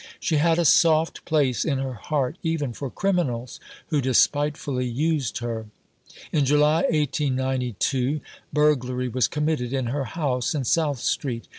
She had a soft place in her heart even for criminals who despitefully used her. In July 1892 burglary was committed in her house in South Street.